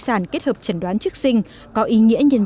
sản kết hợp trần đoán trước sinh có ý nghĩa nhân vật